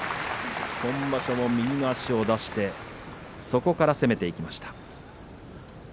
今場所も右の足を出してそこから攻めていきました。